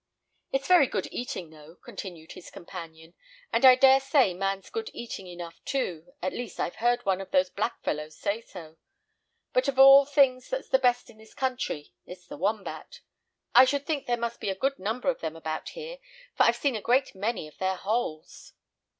"It's very good eating, though," continued his companion, "and I dare say, man's good eating enough too, at least I've heard one of those black fellows say so; but of all things that's the best in this country it's the wombat. I should think there must be a good number of them about here, for I've seen a great many of their holes."